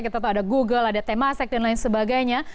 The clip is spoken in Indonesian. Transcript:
kita tahu ada google ada temasek dan lain sebagainya